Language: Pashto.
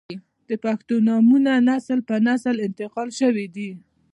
• د پښتو نومونه نسل پر نسل انتقال شوي دي.